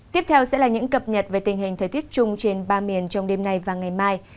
tiếp theo sẽ là những cập nhật về tình hình thời tiết chung trên ba miền trong đêm nay và ngày mai